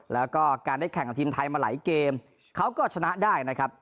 แล้วก็การได้แข่งกับทีมไทยมาหลายเกมเขาก็ชนะได้นะครับ